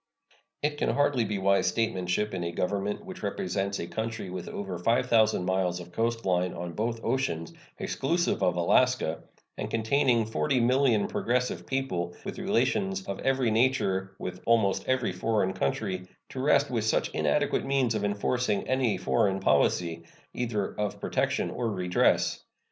It can hardly be wise statesmanship in a Government which represents a country with over 5,000 miles of coast line on both oceans, exclusive of Alaska, and containing 40,000,000 progressive people, with relations of every nature with almost every foreign country, to rest with such inadequate means of enforcing any foreign policy, either of protection or redress.